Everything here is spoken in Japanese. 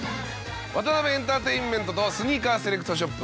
ワタナベエンターテインメントとスニーカーセレクトショップ